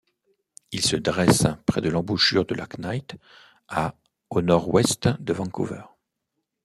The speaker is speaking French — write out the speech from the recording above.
Il se dresse près de l'embouchure de la Knight, à au nord-ouest de Vancouver.